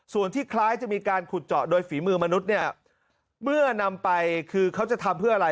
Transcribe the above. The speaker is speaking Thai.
ส่วนที่คล้ายจะมีการขุดเจาะโดยฝีมือมนุษย์เนี่ยเมื่อนำไปคือเขาจะทำเพื่ออะไร